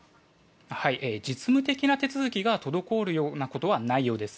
実務的な手続きが滞るようなことはないようです。